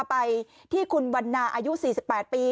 ไปที่คุณวันนาอายุ๔๘ปี